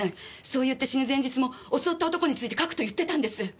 そう言って死ぬ前日も襲った男について書くと言ってたんです。